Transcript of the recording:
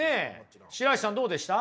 白石さんどうでした？